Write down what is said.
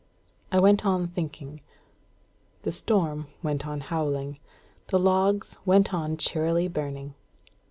I went on thinking. The storm went on howling. The logs went on cheerily burning.